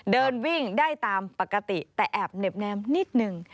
เดินวิ่งได้ตามปกติแต่แอบเหน็บแนมนิดนึง